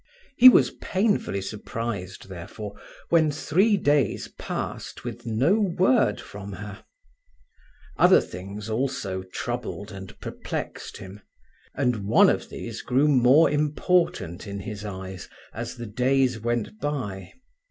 He was painfully surprised, therefore, when three days passed with no word from her. Other things also troubled and perplexed him, and one of these grew more important in his eyes as the days went by.